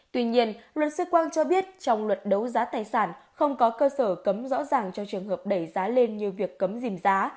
tuy nhiên luật sư quang cho biết trong luật đấu giá tài sản không có cơ sở cấm rõ ràng trong trường hợp đẩy giá lên như việc cấm dìm giá